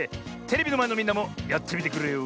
テレビのまえのみんなもやってみてくれよ。